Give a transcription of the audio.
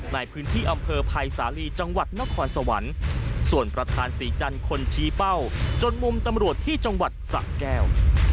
ในพื้นที่อำเภอภัยสาลีจังหวัดนครสวรรค์ส่วนประธานศรีจันทร์คนชี้เป้าจนมุมตำรวจที่จังหวัดสะแก้ว